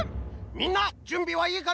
みんなじゅんびはいいかな？